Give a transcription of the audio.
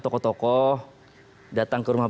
tokoh tokoh datang ke rumah